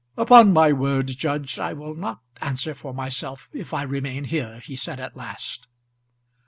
"Upon my word, judge, I will not answer for myself if I remain here," he said at last.